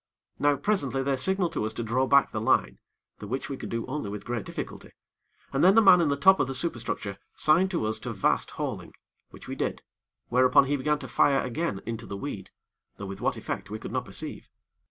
Now, presently, they signaled to us to draw back the line, the which we could do only with great difficulty, and then the man in the top of the super structure signed to us to vast hauling, which we did, whereupon he began to fire again into the weed; though with what effect we could not perceive.